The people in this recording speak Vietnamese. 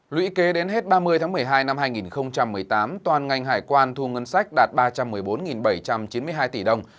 lũy kế đến hết ba mươi tháng một mươi hai năm hai nghìn một mươi tám toàn ngành hải quan thu ngân sách đạt ba trăm một mươi bốn bảy trăm chín mươi hai tỷ đồng